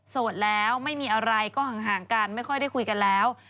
โสดแล้วไม่มีอะไรก็ห่างกันไม่ค่อยได้คุยกันแล้ว